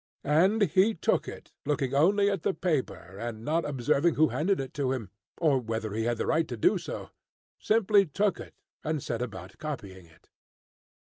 And he took it, looking only at the paper, and not observing who handed it to him, or whether he had the right to do so; simply took it, and set about copying it.